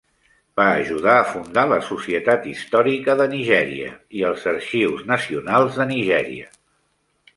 Va ajudar a fundar la Societat Històrica de Nigèria i els Arxius Nacionals de Nigèria.